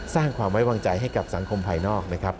สร้างความไว้วางใจให้กับสังคมภายนอกนะครับ